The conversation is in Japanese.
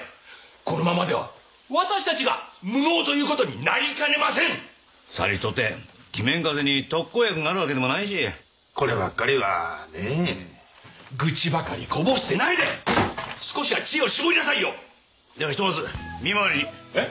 このままでは私たちが無能ということになりかねませんさりとて鬼面風邪に特効薬があるわけでもないしこればっかりはねぇ愚痴ばかりこぼしてないで少しは知恵を絞りなさいよではひとまず見回りにえっ？